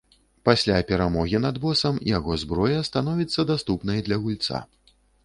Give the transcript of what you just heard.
Пасля перамогі над босам яго зброя становіцца даступнай для гульца.